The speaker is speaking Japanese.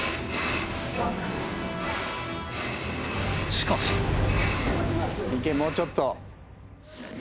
しかしいけもうちょっと。